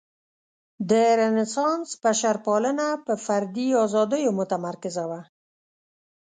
د رنسانس بشرپالنه په فردي ازادیو متمرکزه وه.